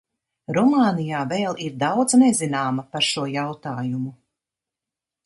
Rumānijā vēl ir daudz nezināma par šo jautājumu.